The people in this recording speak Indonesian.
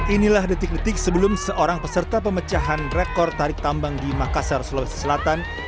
inilah detik detik sebelum seorang peserta pemecahan rekor tarik tambang di makassar sulawesi selatan